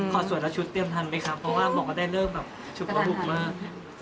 สวยแล้วชุดเตรียมทันไหมครับเพราะว่าบอกว่าได้เลิกแบบชุดประมุกมาก